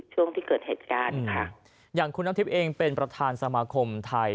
ช่วงที่เกิดเหตุการณ์ค่ะอย่างคุณน้ำทิพย์เองเป็นประธานสมาคมไทย